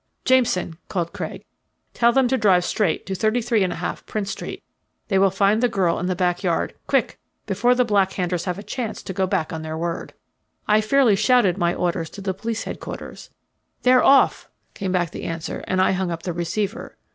"Jameson," called Craig, "tell them to drive straight to 33 1/2, Prince Street. They will find the girl in the back yard quick, before the Black Handers have a chance to go back on their word." I fairly shouted my orders to the police headquarters. "They're off," came back the answer, and I hung up the receiver.